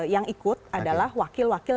yang ikut adalah wakil wakil